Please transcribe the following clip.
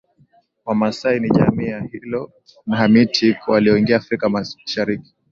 Wamasai ni jamii ya Nilo Hamitic walioingia Afrika Mashariki